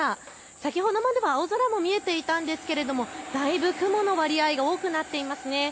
先ほどまでは青空も見えていたんですがだいぶ雲の割合が多くなっています。